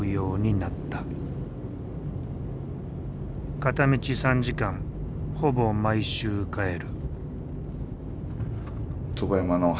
片道３時間ほぼ毎週帰る。